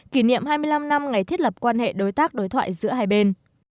kỷ niệm hai mươi năm năm ngày thiết lập quan hệ đối tác đối thoại giữa hai bên